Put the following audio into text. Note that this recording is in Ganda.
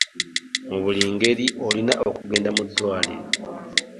Mu buli ngeri olina okugenda mu ddwaaliro.